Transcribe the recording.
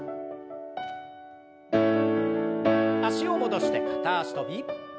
脚を戻して片脚跳び。